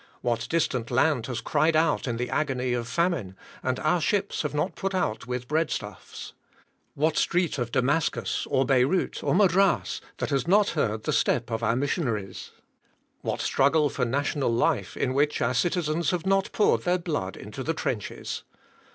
What distant land has cried out in the agony of famine, and our ships have not put out with bread stuffs! What street of Damascus, or Beyrout, or Madras that has not heard the step of our missionaries! What struggle for national life, in which our citizens have not poured their blood into the trenches!